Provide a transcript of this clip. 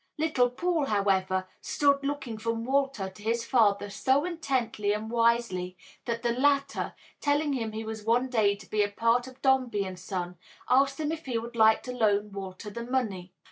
Little Paul, however, stood looking from Walter to his father so intently and wisely that the latter, telling him he was one day to be a part of Dombey and Son, asked him if he would like to loan Walter the money.